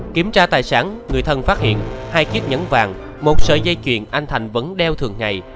kiểm tra tài sản người thân phát hiện hai chiếc nhẫn vàng một sợi dây chuyền anh thành vẫn đeo thường ngày